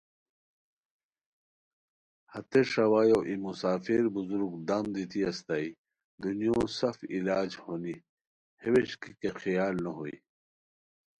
ہتے ݰاوایو ای مسافر بزرگ دم دیتی استائے دنیو سف علاج ہونی ہے ووݰکی کیہ خیال نو ہوئے